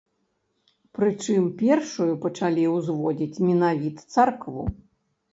Прычым, першую пачалі ўзводзіць менавіта царкву.